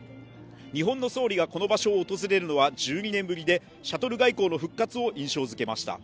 日本の総理がこの場所を訪れるのは１２年ぶりで、シャトル外交の復活を印象づけました。